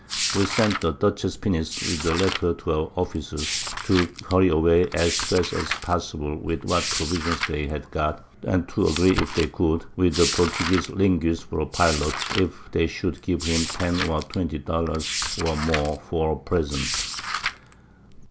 We sent the Dutchess Pinnace with a Letter to our Officers, to hurry away as fast as possible with what Provisions they had got, and to agree if they could with the Portuguese Linguist for a Pilot, if they should give him 10 or 20 Dollars or more for a Present.